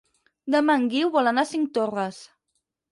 Demà en Guiu vol anar a Cinctorres.